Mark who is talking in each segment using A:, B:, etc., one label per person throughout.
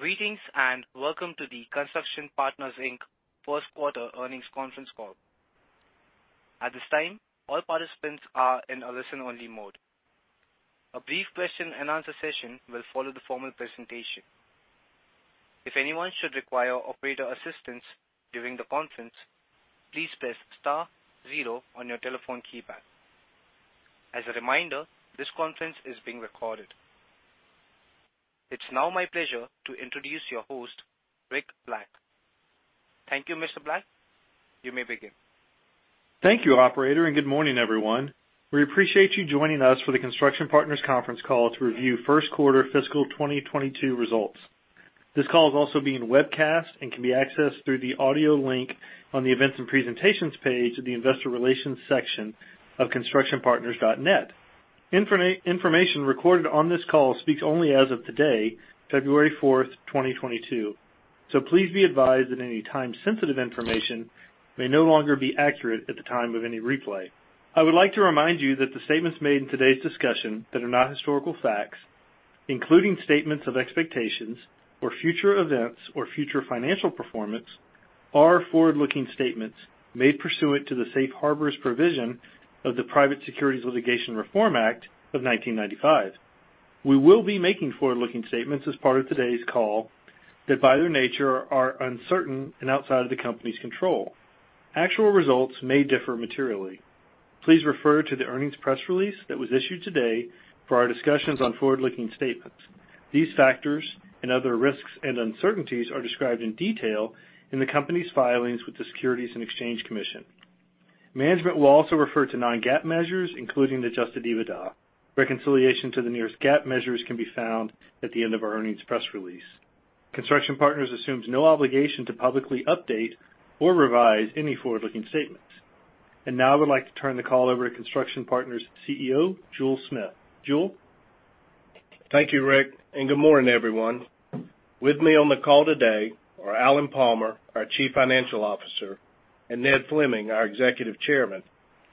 A: Greetings, and welcome to the Construction Partners, Inc. First Quarter Earnings Conference Call. At this time, all participants are in a listen-only mode. A brief question-and-answer session will follow the formal presentation. If anyone should require operator assistance during the conference, please press star zero on your telephone keypad. As a reminder, this conference is being recorded. It's now my pleasure to introduce your host, Rick Black. Thank you, Mr. Rick Black. You may begin.
B: Thank you, operator, and good morning, everyone. We appreciate you joining us for the Construction Partners conference call to review first quarter fiscal 2022 results. This call is also being webcast and can be accessed through the audio link on the Events and Presentations page of the Investor Relations section of constructionpartners.net. Information recorded on this call speaks only as of today, February 4th, 2022. Please be advised that any time-sensitive information may no longer be accurate at the time of any replay. I would like to remind you that the statements made in today's discussion that are not historical facts, including statements of expectations or future events or future financial performance, are forward-looking statements made pursuant to the safe harbors provision of the Private Securities Litigation Reform Act of 1995. We will be making forward-looking statements as part of today's call that, by their nature, are uncertain and outside of the company's control. Actual results may differ materially. Please refer to the earnings press release that was issued today for our discussions on forward-looking statements. These factors and other risks and uncertainties are described in detail in the company's filings with the Securities and Exchange Commission. Management will also refer to non-GAAP measures, including the adjusted EBITDA. Reconciliation to the nearest GAAP measures can be found at the end of our earnings press release. Construction Partners assumes no obligation to publicly update or revise any forward-looking statements. Now I would like to turn the call over to Construction Partners' CEO, Jule Smith. Jule?
C: Thank you, Rick, and good morning, everyone. With me on the call today are Alan Palmer, our Chief Financial Officer, and Ned Fleming, our Executive Chairman,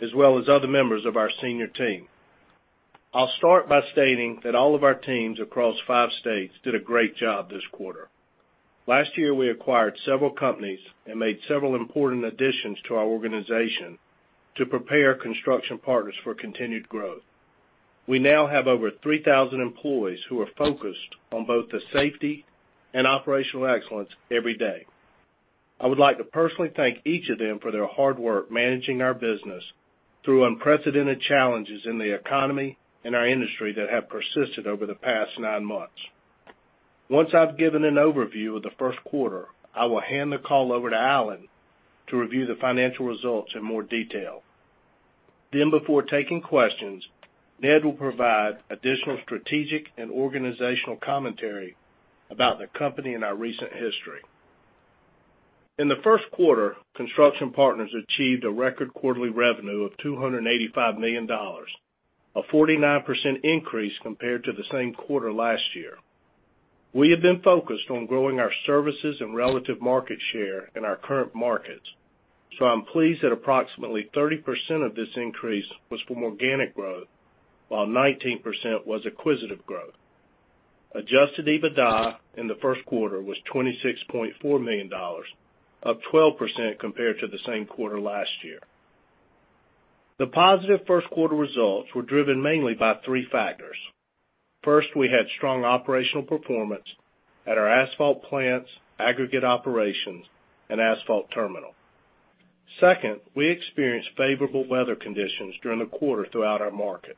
C: as well as other members of our senior team. I'll start by stating that all of our teams across five states did a great job this quarter. Last year, we acquired several companies and made several important additions to our organization to prepare Construction Partners for continued growth. We now have over 3,000 employees who are focused on both the safety and operational excellence every day. I would like to personally thank each of them for their hard work managing our business through unprecedented challenges in the economy and our industry that have persisted over the past nine months. Once I've given an overview of the first quarter, I will hand the call over to Alan to review the financial results in more detail. Before taking questions, Ned Fleming will provide additional strategic and organizational commentary about the company and our recent history. In the first quarter, Construction Partners achieved a record quarterly revenue of $285 million, a 49% increase compared to the same quarter last year. We have been focused on growing our services and relative market share in our current markets, so I'm pleased that approximately 30% of this increase was from organic growth while 19% was acquisitive growth. Adjusted EBITDA in the first quarter was $26.4 million, up 12% compared to the same quarter last year. The positive first quarter results were driven mainly by three factors. First, we had strong operational performance at our asphalt plants, aggregate operations, and asphalt terminal. Second, we experienced favorable weather conditions during the quarter throughout our markets.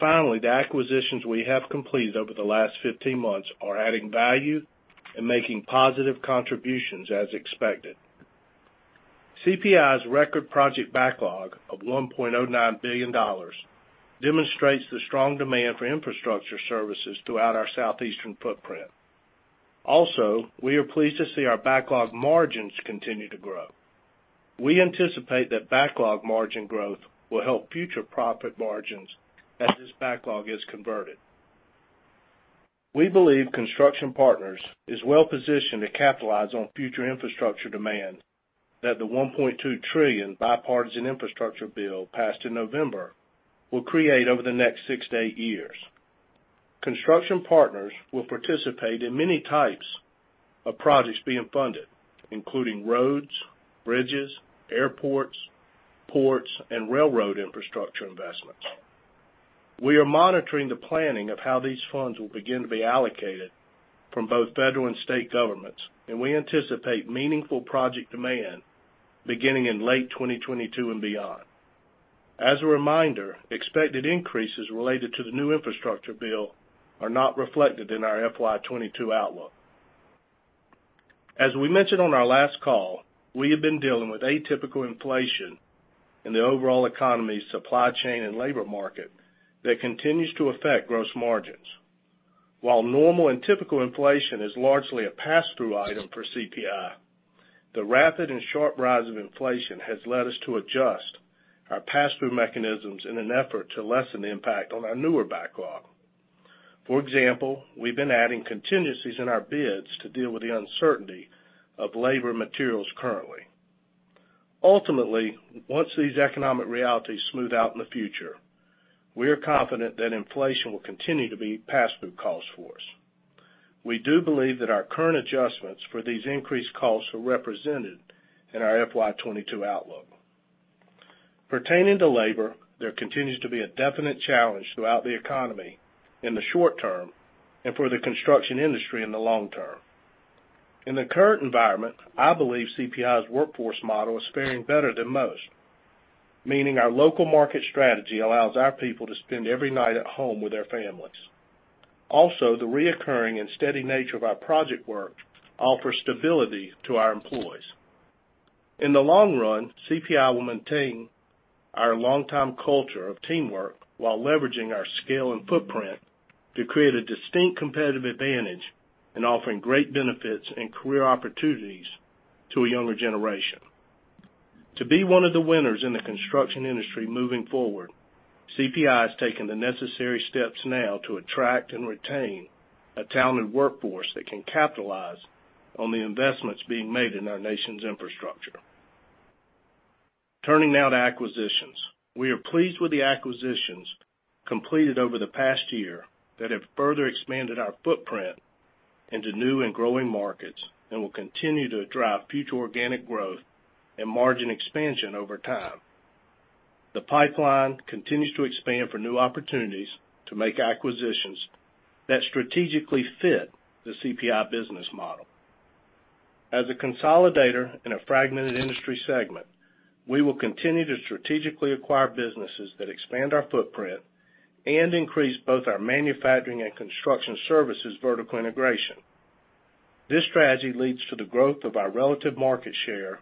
C: Finally, the acquisitions we have completed over the last 15 months are adding value and making positive contributions as expected. CPI's record project backlog of $1.09 billion demonstrates the strong demand for infrastructure services throughout our southeastern footprint. Also, we are pleased to see our backlog margins continue to grow. We anticipate that backlog margin growth will help future profit margins as this backlog is converted. We believe Construction Partners is well positioned to capitalize on future infrastructure demand that the $1.2 trillion bipartisan infrastructure bill passed in November will create over the next six to eight years. Construction Partners will participate in many types of projects being funded, including roads, bridges, airports, ports, and railroad infrastructure investments. We are monitoring the planning of how these funds will begin to be allocated from both federal and state governments, and we anticipate meaningful project demand beginning in late 2022 and beyond. As a reminder, expected increases related to the new infrastructure bill are not reflected in our FY 2022 outlook. As we mentioned on our last call, we have been dealing with atypical inflation in the overall economy's supply chain and labor market that continues to affect gross margins. While normal and typical inflation is largely a pass-through item for CPI, the rapid and sharp rise of inflation has led us to adjust our pass-through mechanisms in an effort to lessen the impact on our newer backlog. For example, we've been adding contingencies in our bids to deal with the uncertainty of labor materials currently. Ultimately, once these economic realities smooth out in the future, we are confident that inflation will continue to be pass-through cost for us. We do believe that our current adjustments for these increased costs are represented in our FY 2022 outlook. Pertaining to labor, there continues to be a definite challenge throughout the economy in the short term and for the construction industry in the long term. In the current environment, I believe CPI's workforce model is faring better than most, meaning our local market strategy allows our people to spend every night at home with their families. Also, the recurring and steady nature of our project work offers stability to our employees. In the long run, CPI will maintain our longtime culture of teamwork while leveraging our scale and footprint to create a distinct competitive advantage in offering great benefits and career opportunities to a younger generation. To be one of the winners in the construction industry moving forward, CPI has taken the necessary steps now to attract and retain a talented workforce that can capitalize on the investments being made in our nation's infrastructure. Turning now to acquisitions. We are pleased with the acquisitions completed over the past year that have further expanded our footprint into new and growing markets and will continue to drive future organic growth and margin expansion over time. The pipeline continues to expand for new opportunities to make acquisitions that strategically fit the CPI business model. As a consolidator in a fragmented industry segment, we will continue to strategically acquire businesses that expand our footprint and increase both our manufacturing and construction services vertical integration. This strategy leads to the growth of our relative market share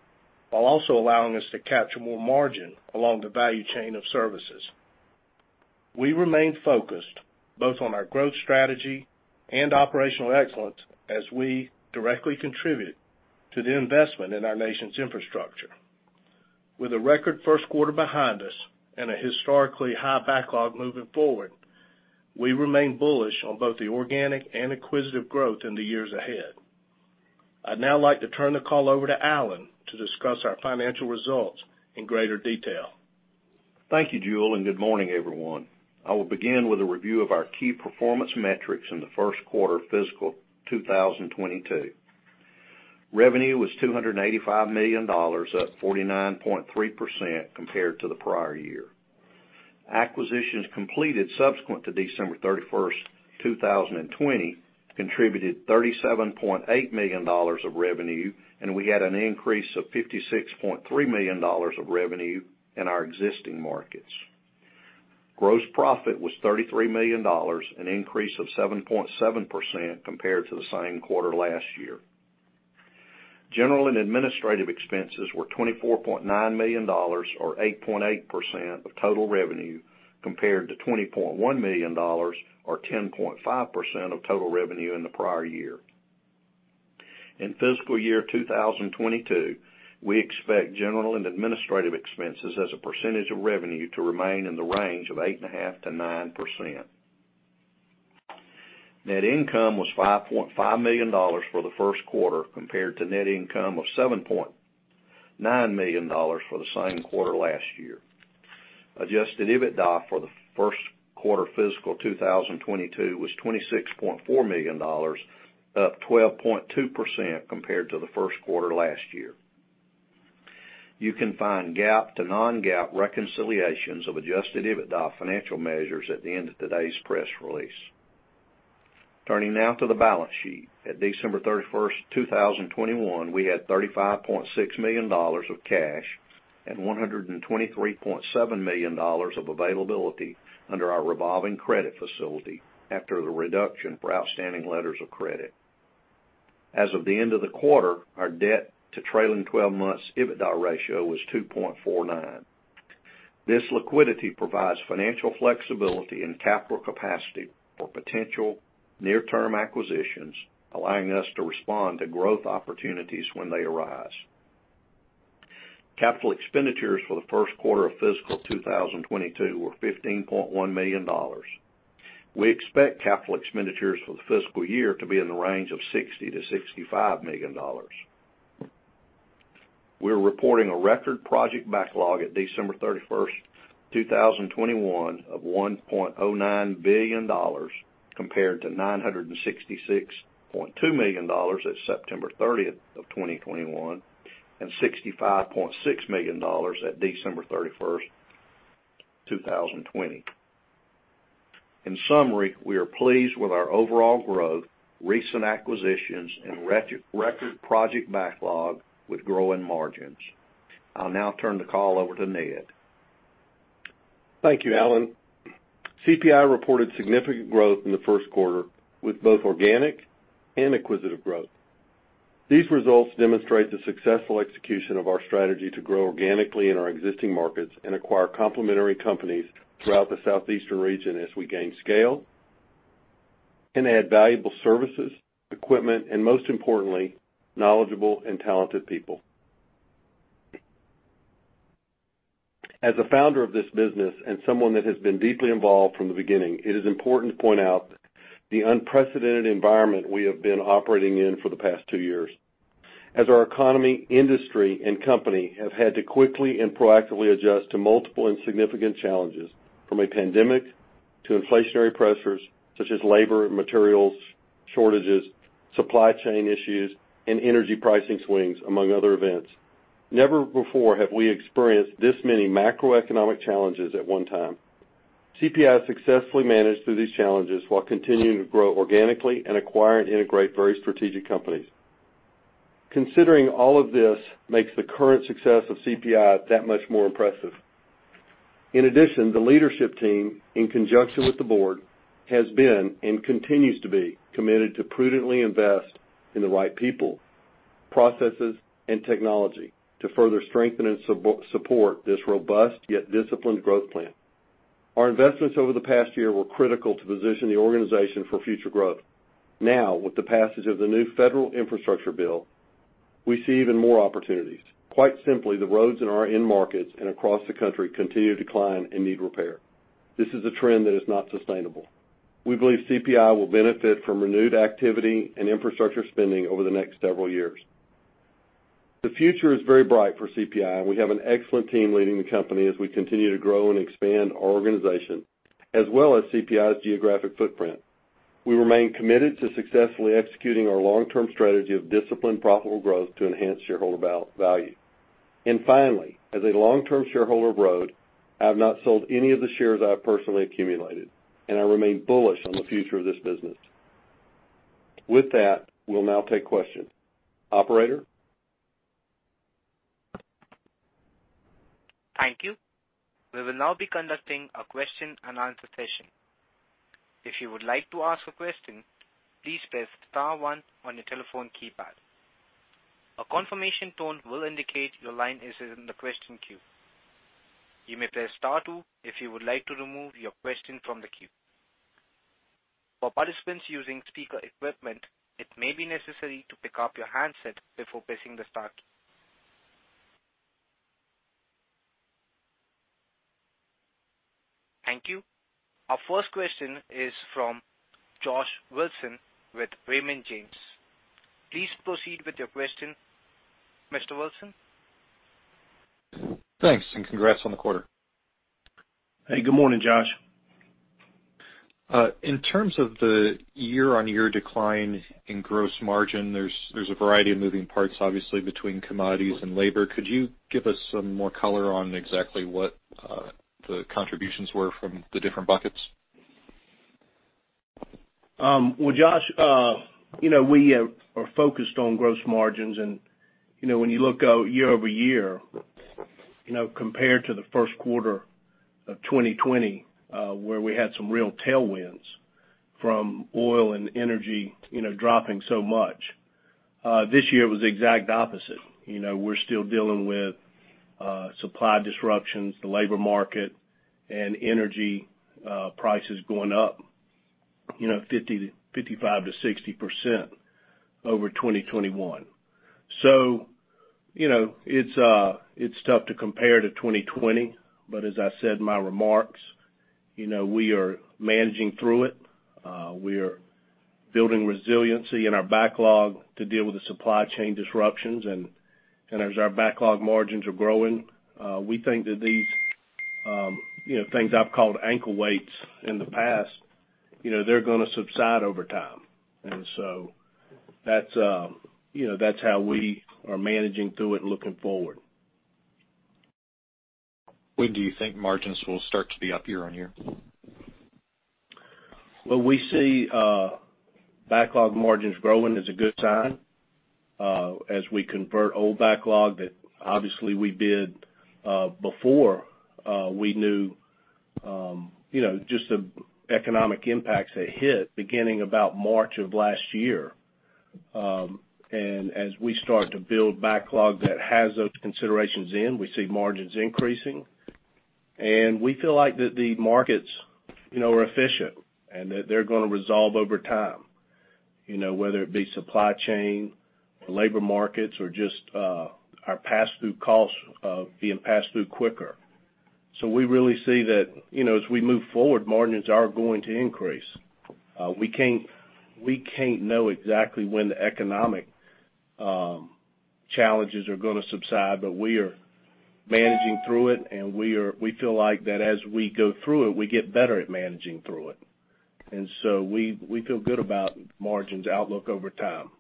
C: while also allowing us to capture more margin along the value chain of services. We remain focused both on our growth strategy and operational excellence as we directly contribute to the investment in our nation's infrastructure. With a record first quarter behind us and a historically high backlog moving forward, we remain bullish on both the organic and acquisitive growth in the years ahead. I'd now like to turn the call over to Alan to discuss our financial results in greater detail.
D: Thank you, Jule, and good morning, everyone. I will begin with a review of our key performance metrics in the first quarter of fiscal 2022. Revenue was $285 million, up 49.3% compared to the prior year. Acquisitions completed subsequent to December 31st, 2020 contributed $37.8 million of revenue, and we had an increase of $56.3 million of revenue in our existing markets. Gross profit was $33 million, an increase of 7.7% compared to the same quarter last year. General and administrative expenses were $24.9 million or 8.8% of total revenue compared to $20.1 million or 10.5% of total revenue in the prior year. In fiscal year 2022, we expect general and administrative expenses as a percentage of revenue to remain in the range of 8.5%-9%. Net income was $5.5 million for the first quarter compared to net income of $7.9 million for the same quarter last year. Adjusted EBITDA for the first quarter fiscal 2022 was $26.4 million, up 12.2% compared to the first quarter last year. You can find GAAP to non-GAAP reconciliations of adjusted EBITDA financial measures at the end of today's press release. Turning now to the balance sheet. At December 31st, 2021, we had $35.6 million of cash and $123.7 million of availability under our revolving credit facility after the reduction for outstanding letters of credit. As of the end of the quarter, our debt to trailing 12 months EBITDA ratio was 2.49. This liquidity provides financial flexibility and capital capacity for potential near-term acquisitions, allowing us to respond to growth opportunities when they arise. Capital expenditures for the first quarter of fiscal 2022 were $15.1 million. We expect capital expenditures for the fiscal year to be in the range of $60-$65 million. We're reporting a record project backlog at December 31st, 2021 of $1.09 billion compared to $966.2 million at September 30th, 2021, and $65.6 million at December 31st, 2020. In summary, we are pleased with our overall growth, recent acquisitions, and record project backlog with growing margins. I'll now turn the call over to Ned Fleming.
E: Thank you, Alan. CPI reported significant growth in the first quarter with both organic and acquisitive growth. These results demonstrate the successful execution of our strategy to grow organically in our existing markets and acquire complementary companies throughout the southeastern region as we gain scale and add valuable services, equipment, and most importantly, knowledgeable and talented people. As a founder of this business and someone that has been deeply involved from the beginning, it is important to point out the unprecedented environment we have been operating in for the past two years. Our economy, industry, and company have had to quickly and proactively adjust to multiple and significant challenges, from a pandemic to inflationary pressures such as labor and materials shortages, supply chain issues, and energy pricing swings, among other events. Never before have we experienced this many macroeconomic challenges at one time. CPI successfully managed through these challenges while continuing to grow organically and acquire and integrate very strategic companies. Considering all of this makes the current success of CPI that much more impressive. In addition, the leadership team, in conjunction with the board, has been and continues to be committed to prudently invest in the right people, processes, and technology to further strengthen and support this robust yet disciplined growth plan. Our investments over the past year were critical to position the organization for future growth. Now, with the passage of the new federal infrastructure bill, we see even more opportunities. Quite simply, the roads in our end markets and across the country continue to decline and need repair. This is a trend that is not sustainable. We believe CPI will benefit from renewed activity and infrastructure spending over the next several years. The future is very bright for CPI, and we have an excellent team leading the company as we continue to grow and expand our organization, as well as CPI's geographic footprint. We remain committed to successfully executing our long-term strategy of disciplined, profitable growth to enhance shareholder value. Finally, as a long-term shareholder of ROAD, I have not sold any of the shares I have personally accumulated, and I remain bullish on the future of this business. With that, we'll now take questions. Operator?
A: Thank you. We will now be conducting a question and answer session. If you would like to ask a question, please press star one on your telephone keypad. A confirmation tone will indicate your line is in the question queue. You may press star two if you would like to remove your question from the queue. For participants using speaker equipment, it may be necessary to pick up your handset before pressing the star key. Thank you. Our first question is from Joshua Wilson with Raymond James. Please proceed with your question, Mr. Wilson.
F: Thanks, and congrats on the quarter.
C: Hey, good morning, Josh.
F: In terms of the year-on-year decline in gross margin, there's a variety of moving parts, obviously, between commodities and labor. Could you give us some more color on exactly what the contributions were from the different buckets?
C: Well, Josh, you know, we are focused on gross margins and, you know, when you look out year-over-year, you know, compared to the first quarter of 2020, where we had some real tailwinds from oil and energy, you know, dropping so much, this year was the exact opposite. You know, we're still dealing with supply disruptions, the labor market, and energy prices going up, you know, 55%-60% over 2021. You know, it's tough to compare to 2020, but as I said in my remarks, you know, we are managing through it. We are building resiliency in our backlog to deal with the supply chain disruptions. As our backlog margins are growing, we think that these, you know, things I've called ankle weights in the past, you know, they're gonna subside over time. That's how we are managing through it looking forward.
F: When do you think margins will start to be up year on year?
C: Well, we see backlog margins growing is a good sign, as we convert old backlog that obviously we bid before we knew you know just the economic impacts that hit beginning about March of last year. As we start to build backlog that has those considerations in, we see margins increasing. We feel like that the markets you know are efficient and that they're gonna resolve over time you know whether it be supply chain or labor markets or just our pass-through costs of being passed through quicker. We really see that you know as we move forward margins are going to increase. We can't know exactly when the economic challenges are gonna subside, but we are managing through it, and we feel like that as we go through it, we get better at managing through it. We feel good about margins outlook over time.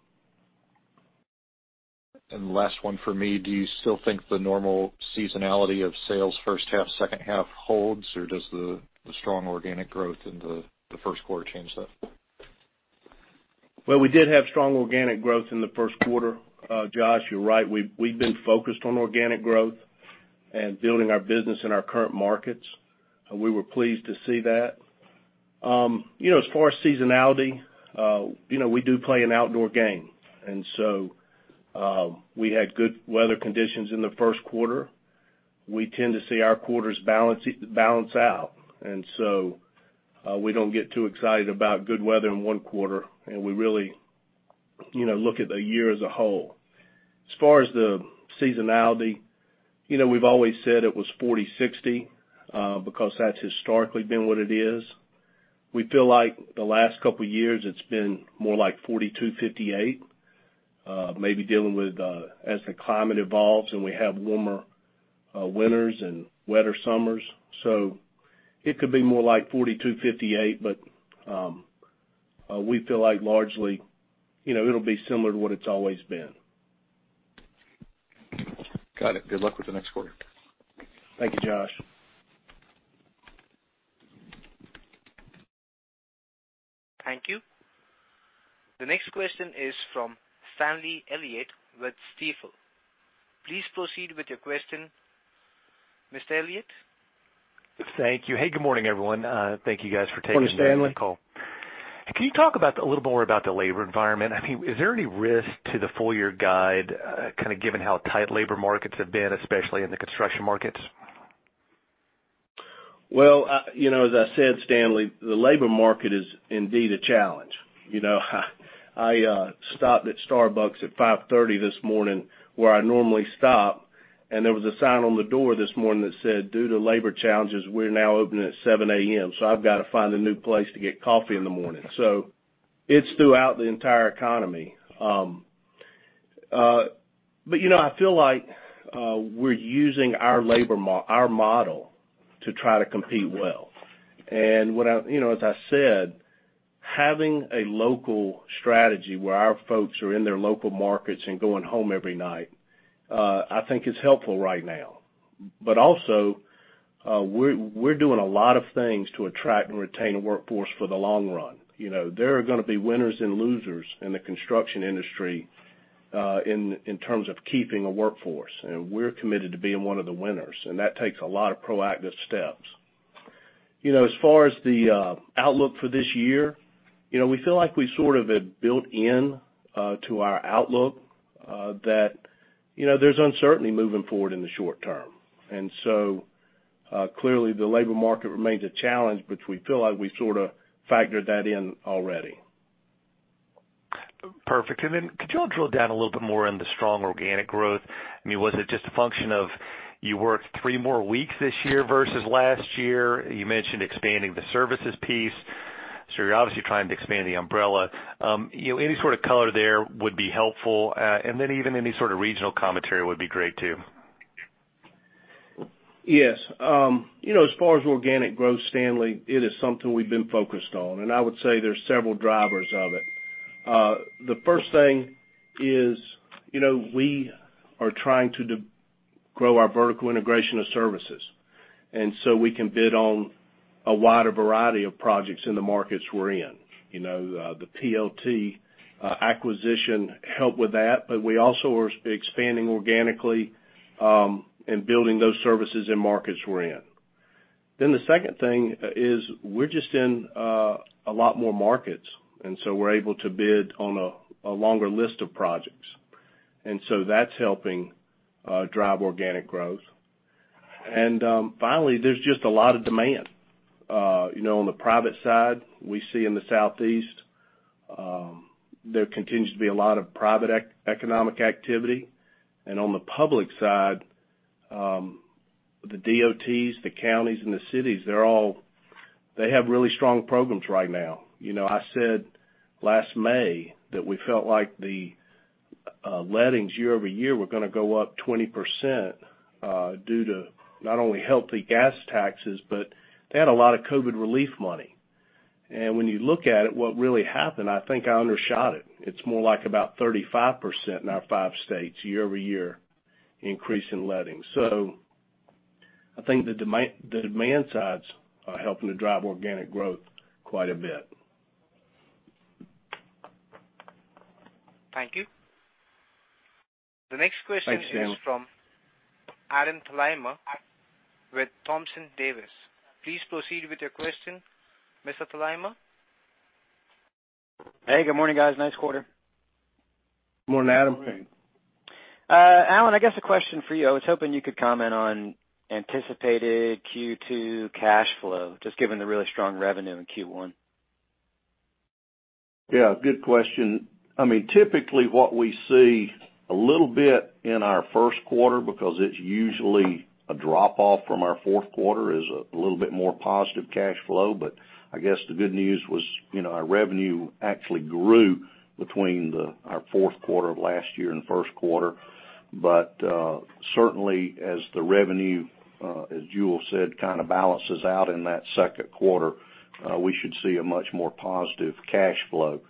F: Last one for me. Do you still think the normal seasonality of sales first half, second half holds, or does the strong organic growth in the first quarter change that?
C: Well, we did have strong organic growth in the first quarter. Josh, you're right, we've been focused on organic growth and building our business in our current markets. We were pleased to see that. You know, as far as seasonality, you know, we do play an outdoor game, and so we had good weather conditions in the first quarter. We tend to see our quarters balance out, and so we don't get too excited about good weather in one quarter, and we really, you know, look at the year as a whole. As far as the seasonality, you know, we've always said it was 40-60, because that's historically been what it is. We feel like the last couple of years it's been more like 42-58, maybe dealing with, as the climate evolves, and we have warmer winters and wetter summers. It could be more like 42-58. We feel like largely, you know, it'll be similar to what it's always been.
F: Got it. Good luck with the next quarter.
C: Thank you, Josh.
A: Thank you. The next question is from Stanley Elliott with Stifel. Please proceed with your question, Mr. Elliott.
G: Thank you. Hey, good morning, everyone. Thank you guys for taking my call.
C: Morning, Stanley.
G: Can you talk a little more about the labor environment? I mean, is there any risk to the full year guide, kind of given how tight labor markets have been, especially in the construction markets?
C: Well, you know, as I said, Stanley, the labor market is indeed a challenge. You know, I stopped at Starbucks at 5:30 AM this morning, where I normally stop, and there was a sign on the door this morning that said, "Due to labor challenges, we're now open at 7:00 AM" I've got to find a new place to get coffee in the morning. It's throughout the entire economy. But you know, I feel like, we're using our model to try to compete well. What I, you know, as I said, having a local strategy where our folks are in their local markets and going home every night, I think is helpful right now. But also, we're doing a lot of things to attract and retain a workforce for the long run. You know, there are gonna be winners and losers in the construction industry, in terms of keeping a workforce, and we're committed to being one of the winners, and that takes a lot of proactive steps. You know, as far as the outlook for this year, you know, we feel like we sort of have built in to our outlook that, you know, there's uncertainty moving forward in the short term. Clearly the labor market remains a challenge, but we feel like we've sorta factored that in already.
G: Perfect. Could you drill down a little bit more on the strong organic growth? I mean, was it just a function of you worked three more weeks this year versus last year? You mentioned expanding the services piece, so you're obviously trying to expand the umbrella. You know, any sort of color there would be helpful, and then even any sort of regional commentary would be great too.
C: Yes. You know, as far as organic growth, Stanley, it is something we've been focused on, and I would say there's several drivers of it. The first thing is, you know, we are trying to grow our vertical integration of services, and so we can bid on a wider variety of projects in the markets we're in. You know, the PLT acquisition helped with that, but we also are expanding organically, and building those services in markets we're in. The second thing is we're just in a lot more markets, and so we're able to bid on a longer list of projects, and so that's helping drive organic growth. Finally, there's just a lot of demand. You know, on the private side, we see in the Southeast, there continues to be a lot of private economic activity. On the public side, the DOTs, the counties and the cities, they're all they have really strong programs right now. You know, I said last May that we felt like the lettings year-over-year were gonna go up 20%, due to not only healthy gas taxes, but they had a lot of COVID relief money. When you look at it, what really happened, I think I undershot it. It's more like about 35% in our five states year-over-year increase in lettings. I think the demand sides are helping to drive organic growth quite a bit.
G: Thank you.
C: Thanks, Stanley.
A: The next question is from Adam Thalhimer with Thompson Davis & Co. Please proceed with your question, Mr. Thalhimer.
H: Hey, good morning, guys. Nice quarter.
C: Good morning, Adam.
H: Alan, I guess a question for you. I was hoping you could comment on anticipated Q2 cash flow, just given the really strong revenue in Q1.
D: Yeah, good question. I mean, typically what we see a little bit in our first quarter, because it's usually a drop off from our fourth quarter, is a little bit more positive cash flow. I guess the good news was, you know, our revenue actually grew between our fourth quarter of last year and first quarter. Certainly as the revenue, as Jule said, kind of balances out in that second quarter, we should see a much more positive cash flow.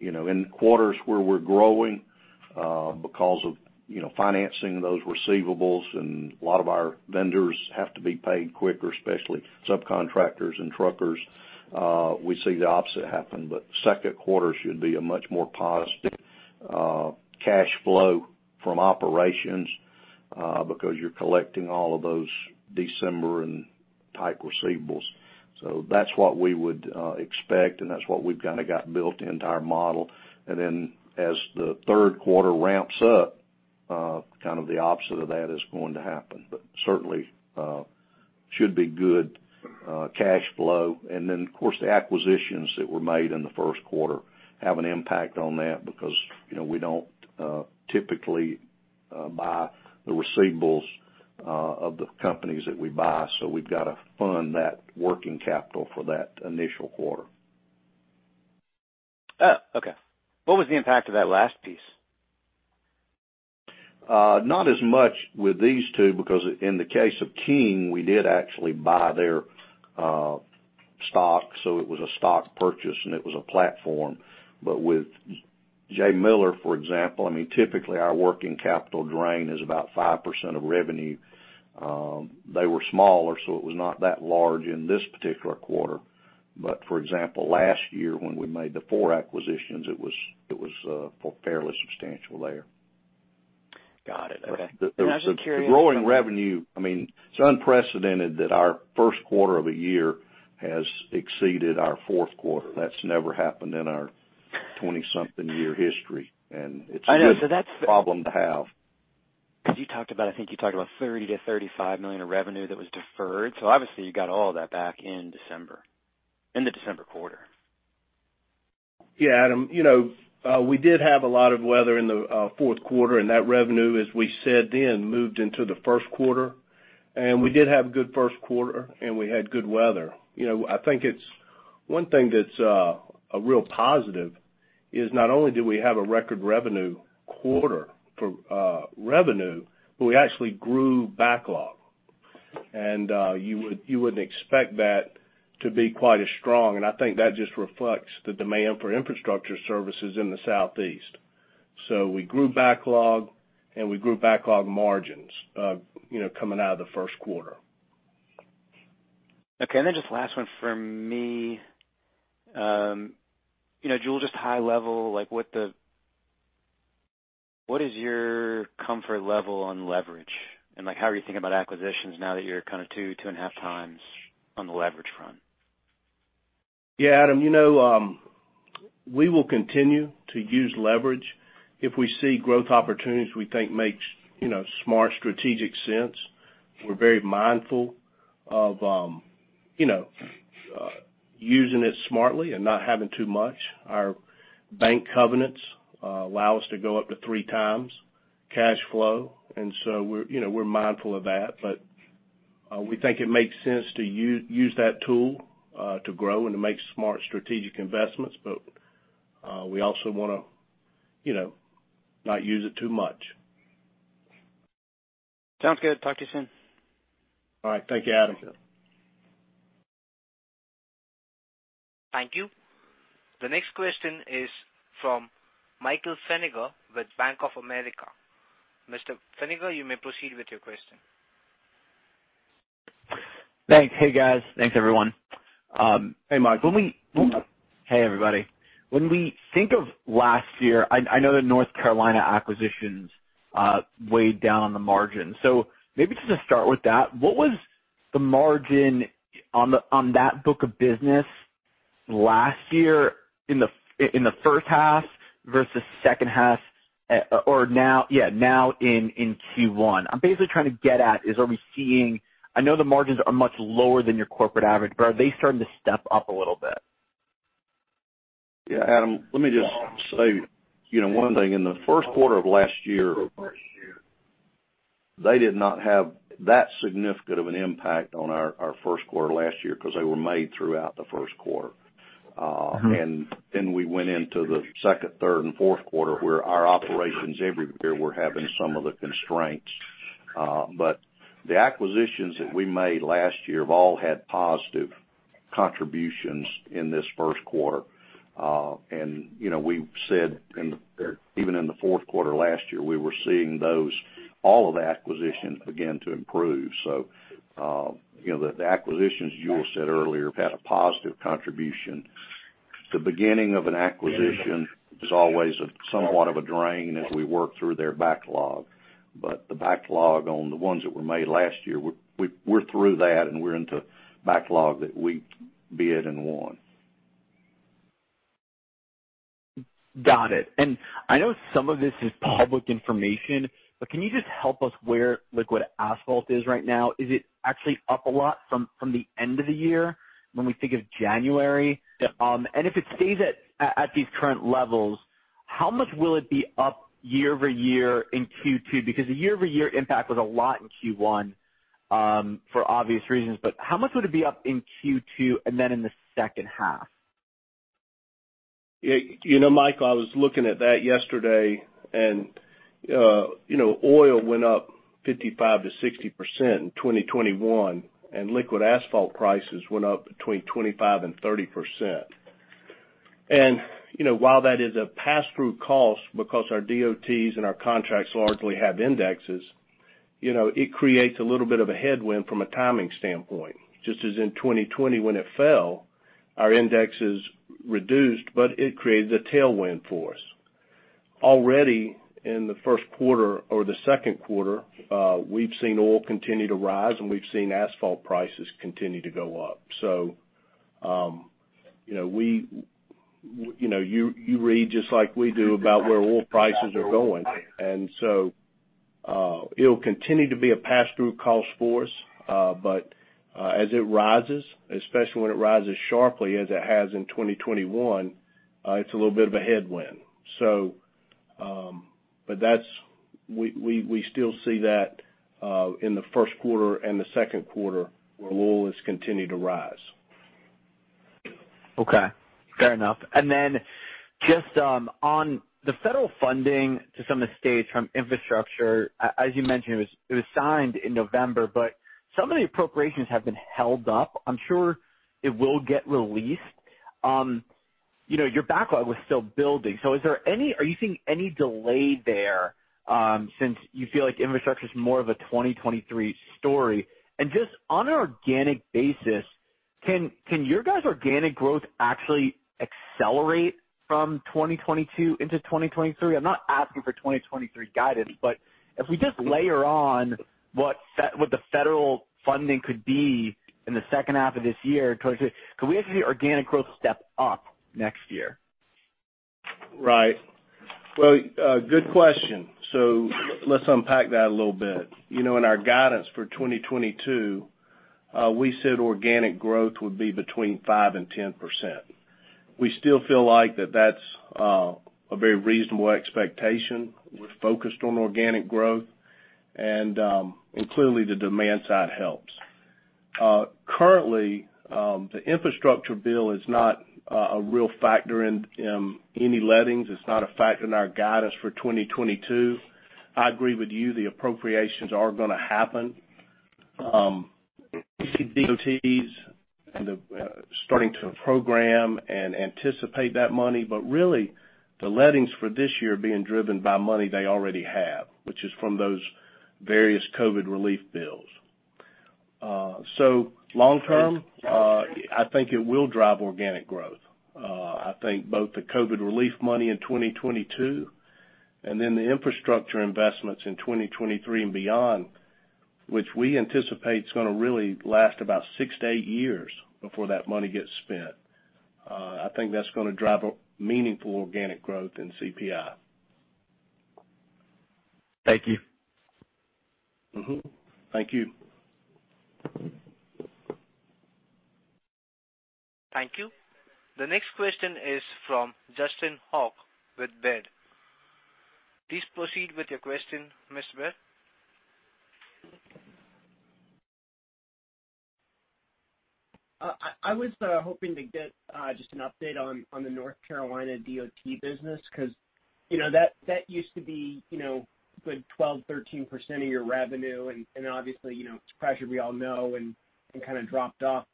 D: You know, in quarters where we're growing, because of, you know, financing those receivables and a lot of our vendors have to be paid quicker, especially subcontractors and truckers, we see the opposite happen. Second quarter should be a much more positive cash flow from operations, because you're collecting all of those December and January-type receivables. That's what we would expect and that's what we've kinda got built into our model. Then as the third quarter ramps up, kind of the opposite of that is going to happen. Certainly, should be good cash flow. Then of course, the acquisitions that were made in the first quarter have an impact on that because, you know, we don't typically buy the receivables of the companies that we buy, so we've got to fund that working capital for that initial quarter.
H: Oh, okay. What was the impact of that last piece?
D: Not as much with these two because in the case of Keene, we did actually buy their stock, so it was a stock purchase, and it was a platform. With J Miller, for example, I mean, typically our working capital drain is about 5% of revenue. They were smaller, so it was not that large in this particular quarter. For example, last year, when we made the four acquisitions, it was fairly substantial there.
H: Got it. Okay. I'm just curious-
D: The growing revenue, I mean, it's unprecedented that our first quarter of a year has exceeded our fourth quarter. That's never happened in our 20-something year history. It's a good problem to have.
H: Because you talked about, I think you talked about $30 million-$35 million of revenue that was deferred. Obviously, you got all that back in December, in the December quarter.
C: Yeah, Adam. You know, we did have a lot of weather in the fourth quarter, and that revenue, as we said then, moved into the first quarter. We did have good first quarter, and we had good weather. You know, I think it's one thing that's a real positive is not only did we have a record revenue quarter for revenue, but we actually grew backlog. You would, you wouldn't expect that to be quite as strong, and I think that just reflects the demand for infrastructure services in the Southeast. We grew backlog, and we grew backlog margins, you know, coming out of the first quarter.
H: Okay. Just last one from me. You know, Jule, just high level, like what is your comfort level on leverage? Like, how are you thinking about acquisitions now that you're kinda 2x-2.5x on the leverage front?
C: Yeah, Adam. You know, we will continue to use leverage if we see growth opportunities we think makes, you know, smart strategic sense. We're very mindful of, you know, using it smartly and not having too much. Our bank covenants allow us to go up to three times cash flow, and so we're, you know, mindful of that. We think it makes sense to use that tool to grow and to make smart strategic investments. We also wanna, you know, not use it too much.
H: Sounds good. Talk to you soon.
C: All right. Thank you, Adam.
A: Thank you. The next question is from Michael Feniger with Bank of America. Mr. Feniger, you may proceed with your question.
I: Thanks. Hey, guys. Thanks, everyone.
C: Hey, Mike.
I: Hey, everybody. When we think of last year, I know the North Carolina acquisitions weighed down on the margin. Maybe just to start with that, what was the margin on that book of business last year in the first half versus second half, or now, yeah, now in Q1? I'm basically trying to get at is, are we seeing. I know the margins are much lower than your corporate average, but are they starting to step up a little bit?
D: Yeah, Adam, let me just say, you know, one thing. In the first quarter of last year, they did not have that significant of an impact on our first quarter last year because they were made throughout the first quarter.
I: Mm-hmm.
D: We went into the second, third, and fourth quarter, where our operations every year were having some of the constraints. The acquisitions that we made last year have all had positive contributions in this first quarter. You know, we've said, even in the fourth quarter last year, we were seeing those, all of the acquisitions begin to improve. You know, the acquisitions, as Jule said earlier, have had a positive contribution. The beginning of an acquisition is always somewhat of a drain as we work through their backlog, but the backlog on the ones that were made last year, we're through that, and we're into backlog that we bid and won.
I: Got it. I know some of this is public information, but can you just help us where liquid asphalt is right now? Is it actually up a lot from the end of the year when we think of January?
D: Yeah.
I: If it stays at these current levels, how much will it be up year-over-year in Q2? Because the year-over-year impact was a lot in Q1, for obvious reasons. How much would it be up in Q2 and then in the second half?
C: You know, Mike, I was looking at that yesterday and, you know, oil went up 55%-60% in 2021, and liquid asphalt prices went up between 25%-30%. You know, while that is a pass-through cost because our DOTs and our contracts largely have indexes, you know, it creates a little bit of a headwind from a timing standpoint. Just as in 2020 when it fell, our indexes reduced, but it created a tailwind for us. Already in the first quarter or the second quarter, we've seen oil continue to rise, and we've seen asphalt prices continue to go up. You know, you read just like we do about where oil prices are going. It'll continue to be a pass-through cost for us. As it rises, especially when it rises sharply, as it has in 2021, it's a little bit of a headwind. We still see that in the first quarter and the second quarter where oil has continued to rise.
I: Okay, fair enough. Just on the federal funding to some of the states from infrastructure, as you mentioned, it was signed in November, but some of the appropriations have been held up. I'm sure it will get released. You know, your backlog was still building. Are you seeing any delay there, since you feel like infrastructure is more of a 2023 story? Just on an organic basis, can your guys' organic growth actually accelerate from 2022 into 2023? I'm not asking for 2023 guidance, but if we just layer on what the federal funding could be in the second half of this year, could we actually see organic growth step up next year?
C: Right. Well, good question. Let's unpack that a little bit. You know, in our guidance for 2022, we said organic growth would be between 5% and 10%. We still feel like that's a very reasonable expectation. We're focused on organic growth, and clearly, the demand side helps. Currently, the infrastructure bill is not a real factor in any lettings. It's not a factor in our guidance for 2022. I agree with you, the appropriations are gonna happen. DOTs, and they're starting to program and anticipate that money, but really, the lettings for this year are being driven by money they already have, which is from those various COVID relief bills. Long term, I think it will drive organic growth. I think both the COVID relief money in 2022 and then the infrastructure investments in 2023 and beyond, which we anticipate is gonna really last about six to eight years before that money gets spent. I think that's gonna drive a meaningful organic growth in CPI.
I: Thank you.
C: Mm-hmm. Thank you.
A: Thank you. The next question is from Justin Hauke with Baird. Please proceed with your question, Mr. Hauke.
J: I was hoping to get just an update on the North Carolina DOT business because, you know, that used to be, you know, a good 12%-13% of your revenue, and obviously, you know, it's pressure we all know and kinda dropped off.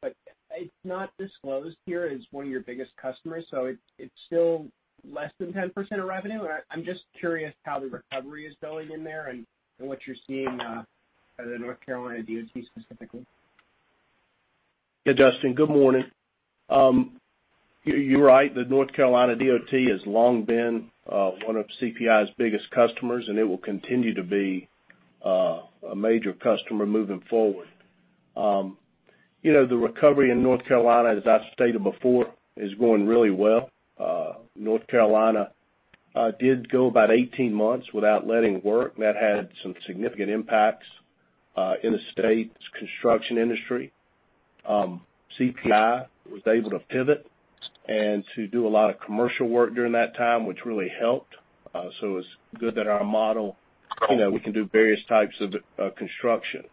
J: It's not disclosed here as one of your biggest customers, so it's still less than 10% of revenue. I'm just curious how the recovery is going in there and what you're seeing at the North Carolina DOT specifically.
C: Yeah, Justin, good morning. You're right. The North Carolina DOT has long been one of CPI's biggest customers, and it will continue to be a major customer moving forward. You know, the recovery in North Carolina, as I stated before, is going really well. North Carolina did go about 18 months without letting work. That had some significant impacts in the state's construction industry. CPI was able to pivot and to do a lot of commercial work during that time, which really helped. It's good that our model, you know, we can do various types of construction.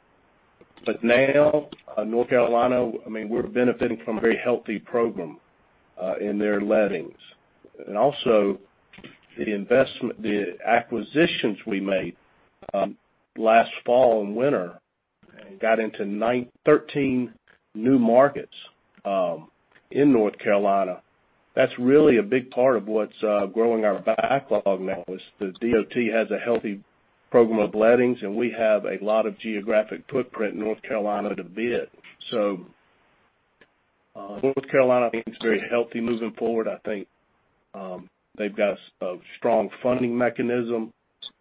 C: But now, North Carolina, I mean, we're benefiting from a very healthy program in their lettings. Also the acquisitions we made last fall and winter got into 13 new markets in North Carolina. That's really a big part of what's growing our backlog now is the DOT has a healthy program of lettings, and we have a lot of geographic footprint in North Carolina to bid. North Carolina is very healthy moving forward. I think they've got a strong funding mechanism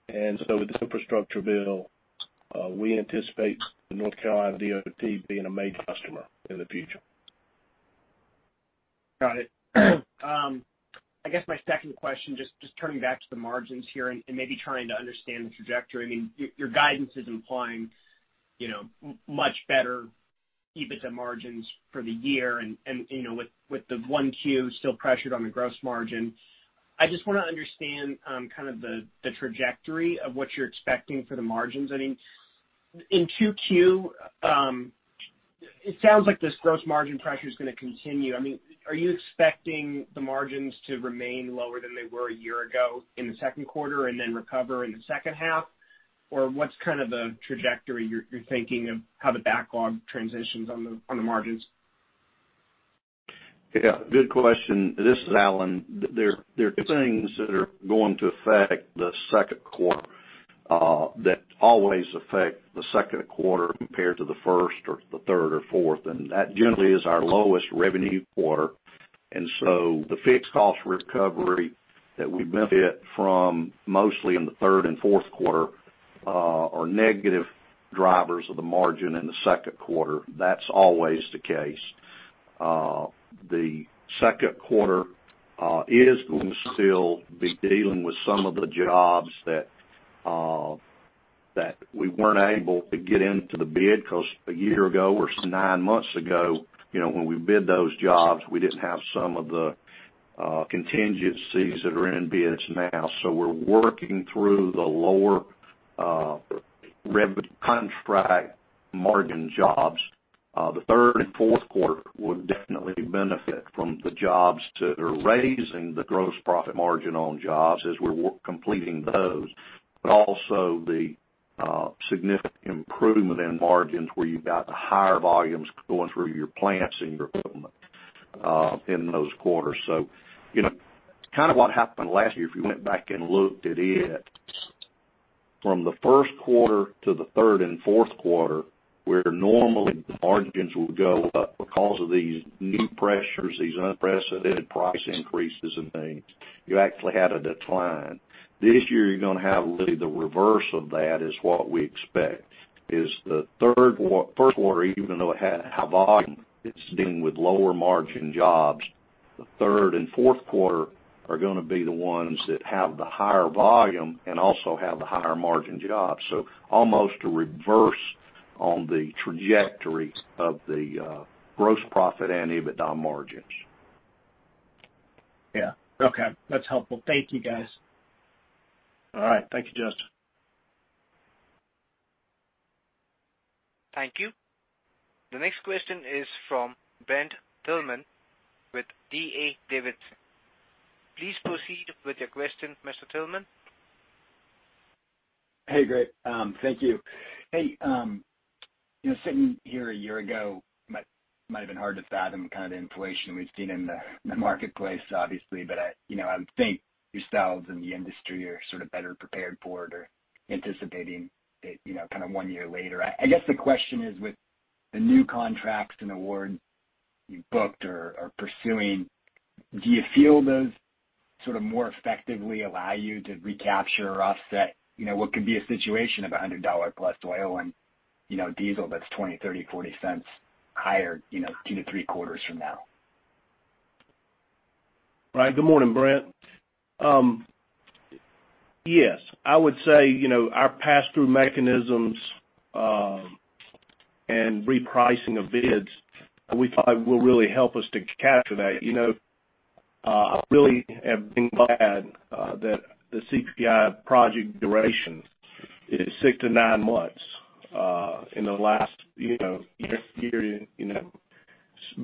C: with the infrastructure bill, we anticipate the North Carolina DOT being a major customer in the future.
J: Got it. I guess my second question, just turning back to the margins here and maybe trying to understand the trajectory. I mean, your guidance is implying, you know, much better EBITDA margins for the year and, you know, with the Q1 still pressured on the gross margin. I just wanna understand kind of the trajectory of what you're expecting for the margins. I mean, in Q2, it sounds like this gross margin pressure is gonna continue. I mean, are you expecting the margins to remain lower than they were a year ago in the second quarter and then recover in the second half? Or what's kind of the trajectory you're thinking of how the backlog transitions on the margins?
D: Yeah, good question. This is Alan. There are things that are going to affect the second quarter that always affect the second quarter compared to the first or the third or fourth, and that generally is our lowest revenue quarter. The fixed cost recovery that we benefit from mostly in the third and fourth quarter are negative drivers of the margin in the second quarter. That's always the case. The second quarter is going to still be dealing with some of the jobs that we weren't able to get into the bid because a year ago or nine months ago, you know, when we bid those jobs, we didn't have some of the contingencies that are in bids now. We're working through the lower rev contract margin jobs. The third and fourth quarter would definitely benefit from the jobs that are raising the gross profit margin on jobs as we're completing those. But also the significant improvement in margins where you've got the higher volumes going through your plants and your equipment in those quarters. You know, kind of what happened last year, if you went back and looked at it, from the first quarter to the third and fourth quarter, where normally margins would go up because of these new pressures, these unprecedented price increases and things, you actually had a decline. This year, you're gonna have literally the reverse of that is what we expect, is the first quarter, even though it had high volume, it's dealing with lower margin jobs. The third and fourth quarter are gonna be the ones that have the higher volume and also have the higher margin jobs. Almost a reverse on the trajectory of the gross profit and EBITDA margins.
J: Yeah. Okay, that's helpful. Thank you, guys.
C: All right. Thank you, Justin.
A: Thank you. The next question is from Brent Thielman with D.A. Davidson. Please proceed with your question, Mr. Thielman.
K: Hey, great. Thank you. Hey, you know, sitting here a year ago, might have been hard to fathom the kind of inflation we've seen in the marketplace, obviously. I would think yourselves and the industry are sort of better prepared for it or anticipating it, you know, kind of one year later. I guess the question is, with the new contracts and awards you've booked or pursuing, do you feel those sort of more effectively allow you to recapture or offset, you know, what could be a situation of $100+ oil and, you know, diesel that's $0.20, $0.30, $0.40 cents higher, you know, two to three quarters from now?
C: Right. Good morning, Brent. Yes, I would say, you know, our pass-through mechanisms and repricing of bids, we thought will really help us to capture that. You know, I really have been glad that the CPI project duration is six to nine months in the last year period, you know,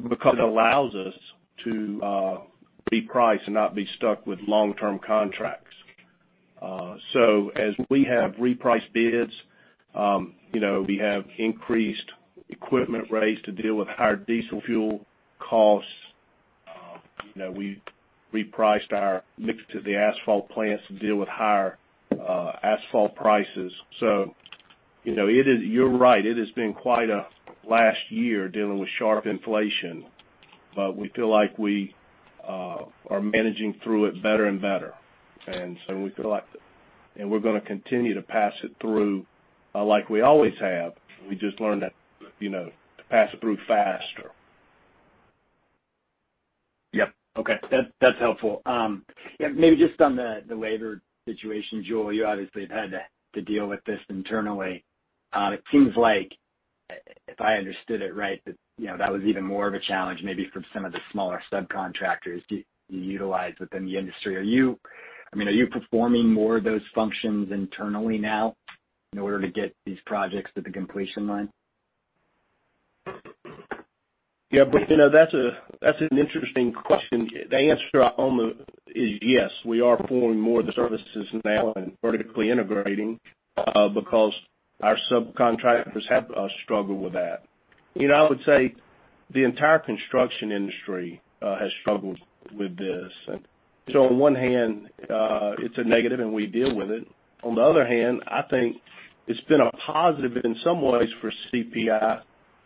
C: because it allows us to reprice and not be stuck with long-term contracts. As we have repriced bids, you know, we have increased equipment rates to deal with higher diesel fuel costs. You know, we repriced our mix to the asphalt plants to deal with higher asphalt prices. You know, it is. You're right, it has been quite a last year dealing with sharp inflation, but we feel like we are managing through it better and better. We feel like... We're gonna continue to pass it through, like we always have. We just learned that, you know, to pass it through faster.
K: Yep. Okay. That's helpful. Yeah, maybe just on the labor situation, Jule, you obviously have had to deal with this internally. It seems like, if I understood it right, you know, that was even more of a challenge maybe from some of the smaller subcontractors you utilize within the industry. Are you, I mean, are you performing more of those functions internally now in order to get these projects to the completion line?
C: Yeah, Brent. You know, that's an interesting question. The answer almost is yes, we are performing more of the services now and vertically integrating, because our subcontractors have struggled with that. You know, I would say the entire construction industry has struggled with this. On one hand, it's a negative, and we deal with it. On the other hand, I think it's been a positive in some ways for CPI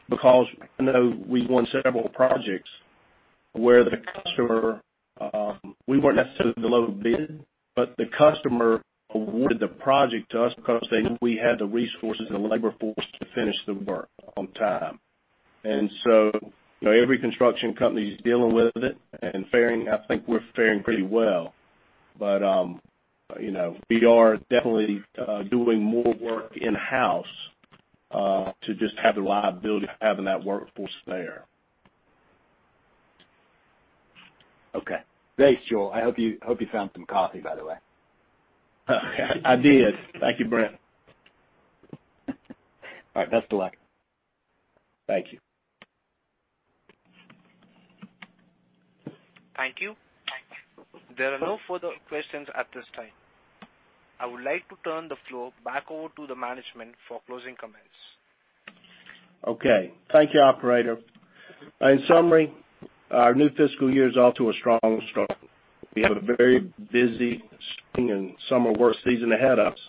C: because I know we won several projects where the customer, we weren't necessarily the low bid, but the customer awarded the project to us because they knew we had the resources and the labor force to finish the work on time. You know, every construction company is dealing with it and faring. I think we're faring pretty well. you know, we are definitely doing more work in-house to just have the liability of having that workforce there.
K: Okay. Thanks, Jule. I hope you found some coffee, by the way.
C: I did. Thank you, Brent Thielman.
K: All right, best of luck.
C: Thank you.
A: Thank you. There are no further questions at this time. I would like to turn the floor back over to the management for closing comments.
C: Okay. Thank you, operator. In summary, our new fiscal year is off to a strong start. We have a very busy spring and summer work season ahead of us,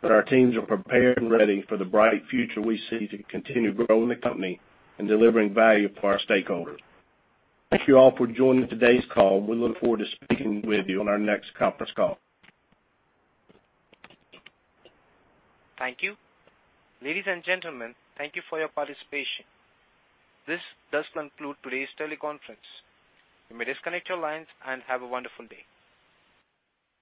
C: but our teams are prepared and ready for the bright future we see to continue growing the company and delivering value for our stakeholders. Thank you all for joining today's call. We look forward to speaking with you on our next conference call.
A: Thank you. Ladies and gentlemen, thank you for your participation. This does conclude today's teleconference. You may disconnect your lines and have a wonderful day.